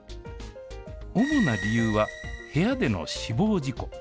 主な理由は、部屋での死亡事故。